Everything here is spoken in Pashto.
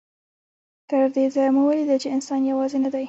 تر دې ځایه مو ولیدل چې انسان یوازې نه دی.